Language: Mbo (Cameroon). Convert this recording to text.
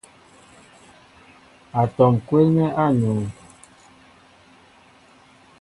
Atɔm kwélnɛ a nuu.